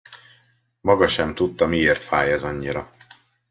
Maga sem tudta, miért fáj ez annyira.